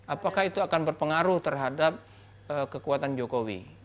apakah itu akan berpengaruh terhadap kekuatan jokowi